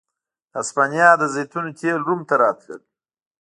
د هسپانیا د زیتونو تېل روم ته راتلل